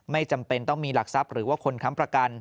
จำเป็นต้องมีหลักทรัพย์หรือว่าคนค้ำประกัน